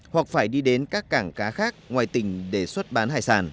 hoặc phải đi đến các cảng cá khác ngoài tỉnh để xuất bán hải sản